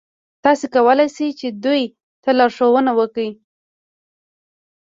تاسې کولای شئ چې دوی ته لارښوونه وکړئ.